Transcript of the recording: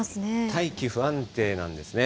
大気不安定なんですね。